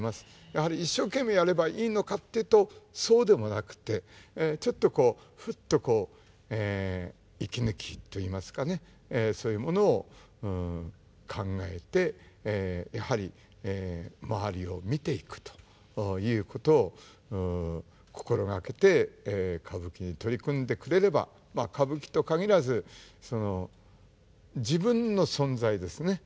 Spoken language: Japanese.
やはり一生懸命やればいいのかっていうとそうでもなくてちょっとこうふっとこう息抜きといいますかねそういうものを考えてやはり周りを見ていくということを心がけて歌舞伎に取り組んでくれれば歌舞伎と限らず自分の存在ですね。